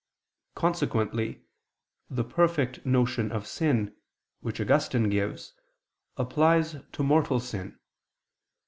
Consequently the perfect notion of sin, which Augustine gives, applies to mortal sin.